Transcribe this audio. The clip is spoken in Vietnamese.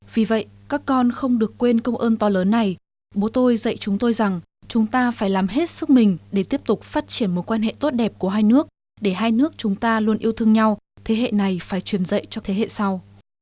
vì vậy các con không được quên công ơn to lớn này bố tôi dạy chúng tôi rằng chúng ta phải làm hết sức mình để tiếp tục phát triển một quan hệ tốt đẹp của hai nước để hai nước chúng ta luôn yêu thương nhau thế hệ này phải truyền dạy cho thế hệ sau